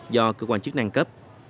do cơ quan chức năng cấp